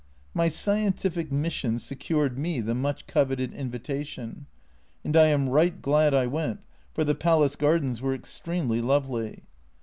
My scientific mission secured me the much coveted invitation, and I am right glad I went, for the palace gardens were extremely lovely.